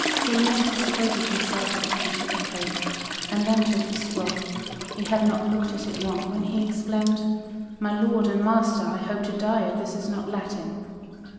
Selim prostrated himself at the feet of the Caliph, and then took the scroll. He had not looked at it long when he exclaimed: "My lord and master, I hope to die if this is not Latin."